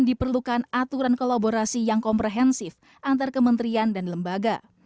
diperlukan aturan kolaborasi yang komprehensif antar kementerian dan lembaga